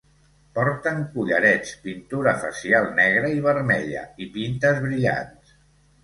Porten collarets, pintura facial negra i vermella, i pintes brillants.